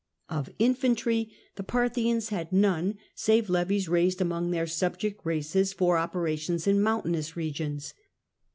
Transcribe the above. Of infantry the Parthians had none, save levies raised among their subject races for operations in mountainous regions.